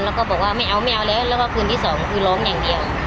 แล้วก็บอกว่าไม่เอาไม่เอาแล้วแล้วก็คืนที่สองคือร้องอย่างเดียว